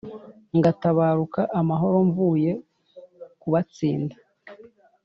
ngatabaruka amahoro mvuye kubatsinda